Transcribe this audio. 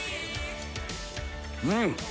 うん！